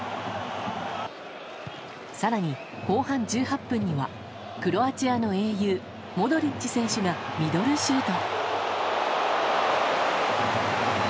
更に後半１８分にはクロアチアの英雄モドリッチ選手がミドルシュート。